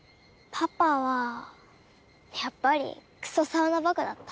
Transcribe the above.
パパはやっぱりクソサウナバカだった。